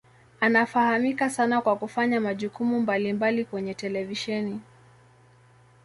Anafahamika sana kwa kufanya majukumu mbalimbali kwenye televisheni.